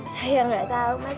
saya gak tau mas